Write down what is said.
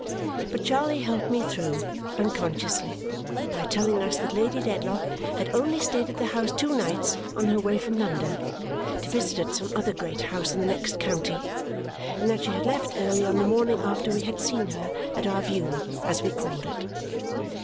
But Charley helped me through, unconsciously, by telling us that Lady Dedlock had only stayed at the house two nights on her way from London to visit at some other great house in the next county and that she had left early on the morning after we had seen her at our view, as we called it.